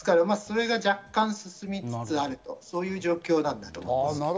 それが若干進みつつあるという状況なんだと思います。